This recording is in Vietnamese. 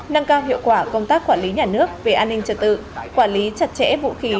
nâng cao hiệu quả công tác quản lý nhà nước về an ninh trật tự quản lý chặt chẽ vũ khí